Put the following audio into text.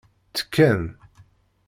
Tekkan.